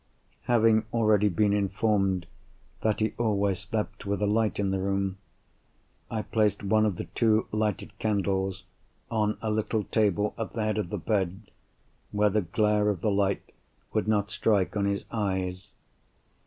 Having already been informed that he always slept with a light in the room, I placed one of the two lighted candles on a little table at the head of the bed, where the glare of the light would not strike on his eyes.